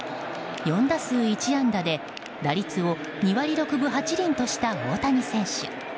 ４打数１安打で打率を２割８分６厘とした大谷選手。